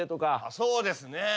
そうですね。